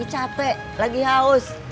emak capek lagi haus